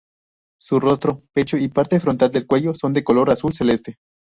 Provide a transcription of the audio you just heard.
Su rostro, pecho y parte frontal del cuello son de color azul celeste.